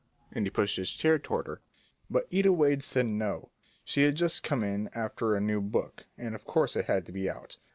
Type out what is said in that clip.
and he pushed his chair toward her. But Ida Wade said no, she had just come in after a new book, and of course it had to be out.